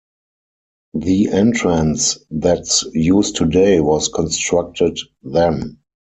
The entrance that's used today was constructed then.